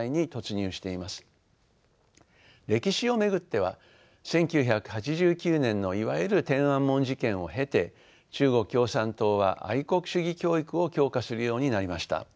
歴史を巡っては１９８９年のいわゆる天安門事件を経て中国共産党は愛国主義教育を強化するようになりました。